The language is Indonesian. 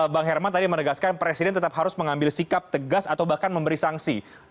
bang herman tadi menegaskan presiden tetap harus mengambil sikap tegas atau bahkan memberi sanksi